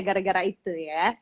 gara gara itu ya